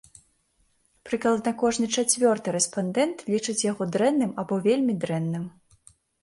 Прыкладна кожны чацвёрты рэспандэнт лічыць яго дрэнным або вельмі дрэнным.